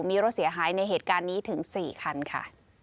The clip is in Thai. มีรถเสียหายในเหตุการณ์นี้ถึง๔คันค่ะ